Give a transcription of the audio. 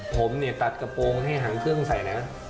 ผมเนี่ยตัดกระโปรงให้หางเครื่องใส่นะ